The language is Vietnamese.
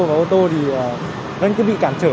và ô tô thì vẫn cứ bị cản trở